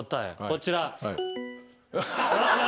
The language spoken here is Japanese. こちら。